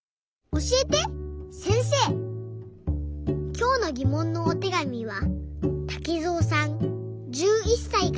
きょうのぎもんのおてがみはたけぞうさん１１さいから。